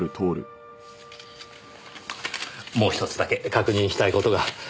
もう１つだけ確認したい事が。